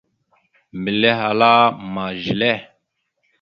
Mbelle ahala: « Ma zelle? ».